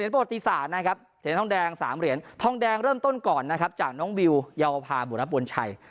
แพลปฤติศาสตร์นะครับสามารถโดยทองแดงเริ่มต้นก่อนนะครับจากน้องวิวยาวภาพบุรับบนชัย